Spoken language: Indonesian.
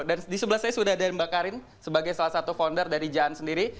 dan di sebelah saya sudah ada mbak karin sebagai salah satu founder dari jaan sendiri